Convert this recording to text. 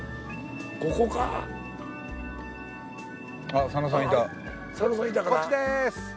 こっちでーす。